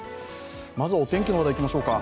まずは、お天気の話題いきましょうか。